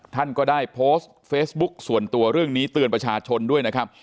ท่านก็ได้โพสต์เฟซบุ๊คส่วนตัวเรื่องนี้เตือนประชาชนด้วยนะครับ